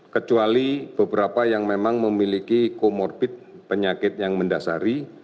kecuali beberapa yang memang memiliki comorbid penyakit yang mendasari